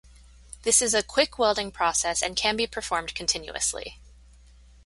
This is a quick welding process and can be performed continuously.